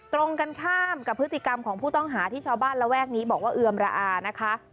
ตรงกันข้ามกับพฤติกรรมของผู้ต้องหาที่ชาวบ้านระแวกนี้บอกว่าเอือมระอานะคะ